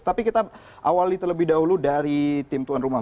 tapi kita awal itu lebih dahulu dari tim tuan rumah